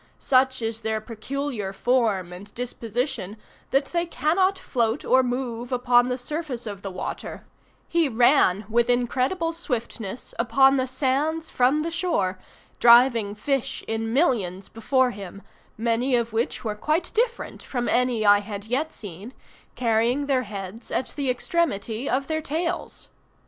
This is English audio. Such is their peculiar form and disposition, that they cannot float or move upon the surface of the water; he ran with incredible swiftness upon the sands from the shore, driving fish in millions before him, many of which were quite different from any I had yet seen, carrying their heads at the extremity of their tails.